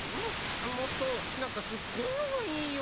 もっとなんかすっごいのがいいよ。